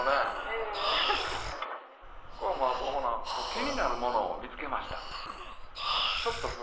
気になるものを見つけました